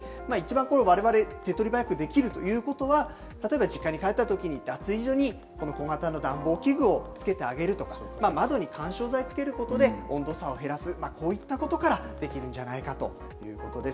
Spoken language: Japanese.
さらにこれ一番われわれ、手っ取り早くできるということは、例えば実家に帰ったときに、脱衣所に小型の暖房器具をつけてあげるとか、窓に緩衝材つけることで、温度差を減らす、こういったことからできるんじゃないかということです。